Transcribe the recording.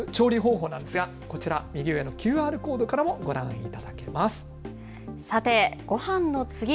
こうした調理方法なんですがこちら右上のＱＲコードからもご覧いただけます。